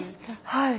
はい。